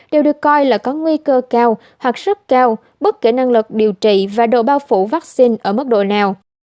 đều được coi là có nguy cơ cao hoặc sức cao bất kỳ năng lực điều trị và độ bao phủ vaccine ở mức độ nào